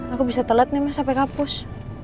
aku bisa telat nih mas sampai kapus